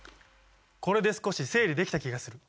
これで少し整理できた気がする！